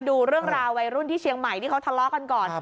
ดูเรื่องราววัยรุ่นที่เชียงใหม่ที่เขาทะเลาะกันก่อน